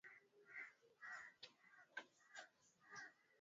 Pilau masala Vijiko vya chakula kikombe kimoja